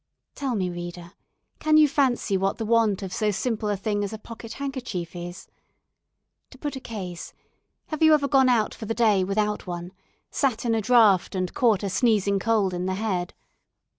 Tell me, reader, can you fancy what the want of so simple a thing as a pocket handkerchief is? To put a case have you ever gone out for the day without one; sat in a draught and caught a sneezing cold in the head?